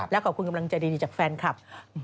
และขอบคุณกำลังใจดีจากแฟนคลับ